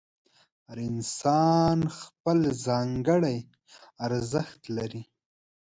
هر انسان خپل ځانګړی ارزښت لري.